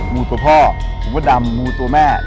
มูตัวพ่อหมูมดดำมูตัวแม่